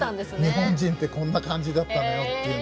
日本人ってこんな感じだったのよっていう。